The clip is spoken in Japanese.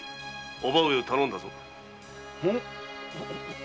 叔母上を頼んだぞ。